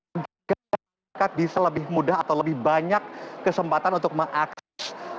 agar bisa lebih mudah atau lebih banyak kesempatan untuk mengakses